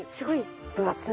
分厚い。